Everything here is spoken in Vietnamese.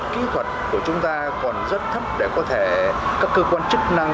kỹ thuật của chúng ta còn rất thấp để có thể các cơ quan chức năng